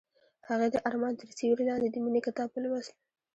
هغې د آرمان تر سیوري لاندې د مینې کتاب ولوست.